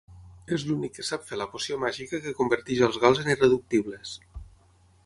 És l'únic que sap fer la poció màgica que converteix als gals en irreductibles.